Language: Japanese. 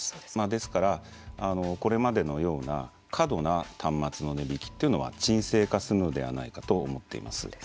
ですからこれまでのような過度な端末の値引きっていうのは沈静化するのではないかと思っています。